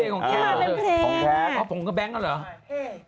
ของแคชอ๋อผมก็แบงค์แล้วเหรอ